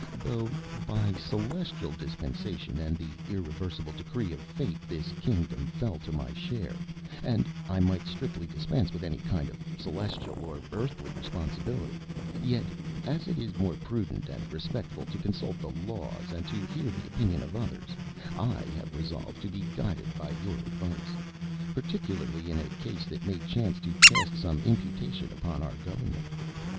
though by celestial dispensation and the irreversible decree of fate this kingdom fell to my share, and I might strictly dispense with any kind of celestial or earthly responsibility, yet, as it is more prudent and respectful to consult the laws and to hear the opinion of others, I have resolved to be guided by your advice, particularly in a case that may chance to cast some imputation upon our government.